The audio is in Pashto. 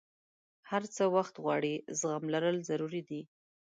هر څه وخت غواړي، زغم لرل ضروري دي.